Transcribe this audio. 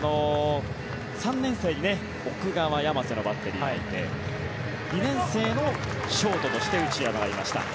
３年生に奥川、山瀬のバッテリーがいて２年生のショートとして内山がいました。